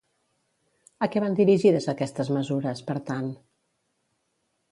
A què van dirigides aquestes mesures, per tant?